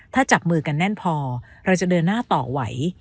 ถ้าจับมือกันแน่นพอเราจะเดินหน้าต่อไหว